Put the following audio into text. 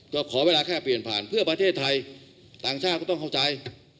ก็ขอเวลาแค่เปลี่ยนผ่านเพื่อประเทศไทยต่างชาติก็ต้องเข้าใจ